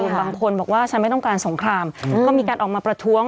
บางคนบอกว่าฉันไม่ต้องการสงครามก็มีการออกมาประท้วง